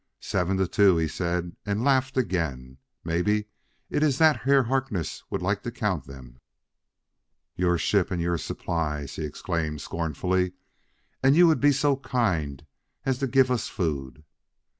"Seven to two," he said, and laughed again; "maybe it iss that Herr Harkness would like to count them. "Your ship and your supplies!" he exclaimed scornfully. "And you would be so kind as to giff us food.